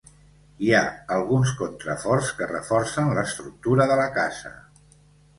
Hi ha alguns contraforts que reforcen l'estructura de la casa.